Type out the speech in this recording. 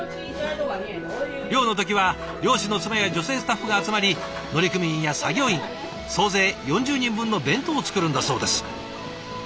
漁の時は漁師の妻や女性スタッフが集まり乗組員や作業員総勢４０人分の弁当を作るんだそうです。